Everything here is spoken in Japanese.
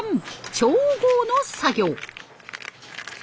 調合の作業。